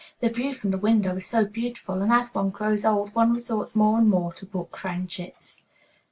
The view from the windows is so beautiful, and as one grows old, one resorts more and more to book friendships."